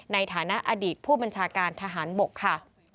ในฐานะอดีตผู้บัญชาการทหารบกค่ะ